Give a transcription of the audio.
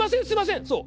そう。